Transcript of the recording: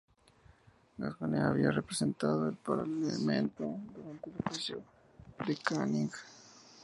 Gascoyne había representado al Parlamento durante el juicio de Canning.